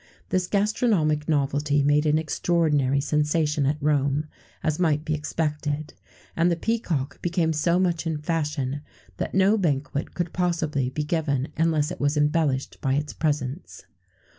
[XVII 124] This gastronomic novelty made an extraordinary sensation at Rome as might be expected and the peacock became so much in fashion, that no banquet could possibly be given unless it was embellished by its presence.